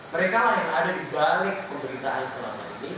mereka lah yang ada dibalik pemerintahan selama ini